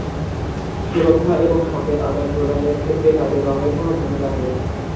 সুরক্ষা এবং সংকেত আদান-প্রদানের ক্ষেত্রে তাদের রংয়ের কোন ভূমিকা নেই।